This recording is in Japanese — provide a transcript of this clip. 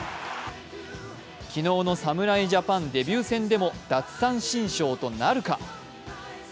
昨日の侍ジャパンデビュー戦でも奪三振ショーとなるか。